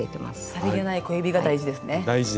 さりげない小指が大事ですね。